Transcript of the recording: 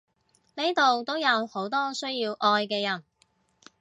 呢度都有好多需要愛嘅人！